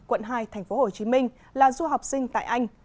quận hai tp hcm là du học sinh tại anh